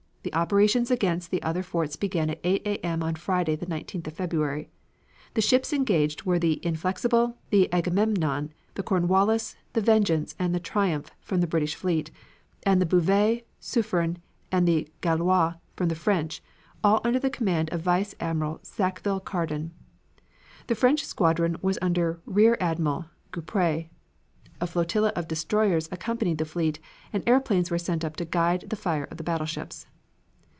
The operations against the other forts began at 8 A.M. on Friday, the 19th of February. The ships engaged were the Inflexible, the Agamemnon, the Cornwallis, the Vengeance and the Triumph from the British fleet, and the Bouvet, Suffren, and the Gaulois from the French, all under the command of Vice Admiral Sackville Carden. The French squadron was under Rear Admiral Gueprette. A flotilla of destroyers accompanied the fleet, and airplanes were sent up to guide the fire of the battleships.